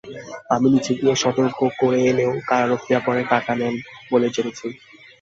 আমি নিচে গিয়ে সতর্ক করে এলেও কারারক্ষীরা পরে টাকা নেন বলে জেনেছি।